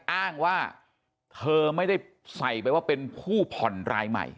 อ้างว่าเธอไม่ได้ใส่ไปว่าเป็นผู้ผ่อนรายใหม่